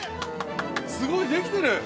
すごい、できてる！